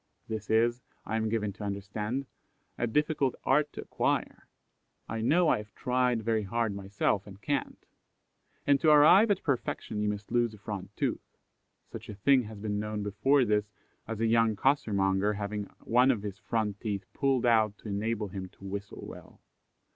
This is, I am given to understand, a difficult art to acquire I know I have tried very hard myself and can't; and to arrive at perfection you must lose a front tooth. Such a thing has been known before this, as a young costermonger having one of his front teeth pulled out to enable him to whistle well.